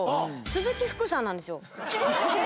鈴木福さんなんですよ。